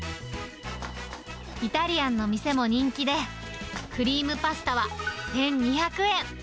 イタリアンの店も人気で、クリームパスタは１２００円。